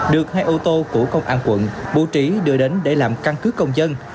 được hai ô tô của công an quận bụ trí đưa đến để làm căn cức công dân